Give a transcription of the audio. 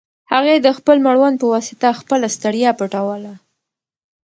هغې د خپل مړوند په واسطه خپله ستړیا پټوله.